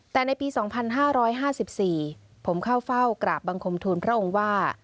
แต่ในปี๒๕๕๔ผมเข้าเฝ้ากราบบังคมทูลพระองค์ว่า